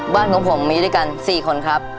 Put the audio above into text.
บ้านของผมมีด้วยกัน๔คนครับ